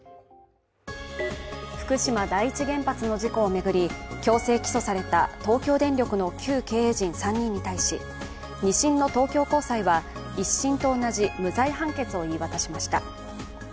福島第一原発の事故を巡り、強制起訴された東京電力の旧経営陣３人に対し、２審の東京高裁は１審と同じ無罪判決を言い渡しました。